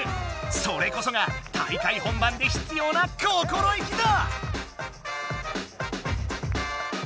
それこそが大会本番でひつような心意気だ！